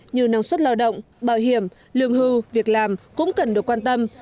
như năng suất lao động bảo hiểm lương hưu việc làm cũng cần được quan tâm